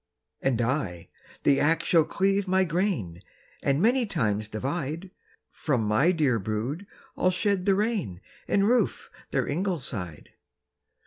"And I the ax shall cleave my grain, And many times divide; From my dear brood I'll shed the rain, And roof their ingleside."